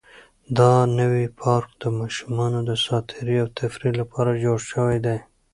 دا نوی پارک د ماشومانو د ساتیرۍ او تفریح لپاره جوړ شوی دی.